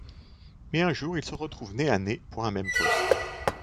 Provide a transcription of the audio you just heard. Mais un jour, ils se retrouvent nez-à nez pour un même poste.